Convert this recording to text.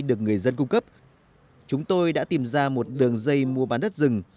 được người dân cung cấp chúng tôi đã tìm ra một đường dây mua bán đất rừng